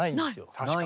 確かに。